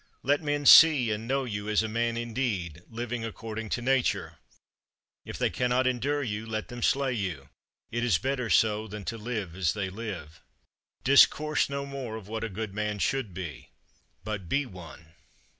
Let men see and know you as a man indeed, living according to Nature. If they cannot endure you, let them slay you. It is better so than to live as they live. 16. Discourse no more of what a good man should be; but be one.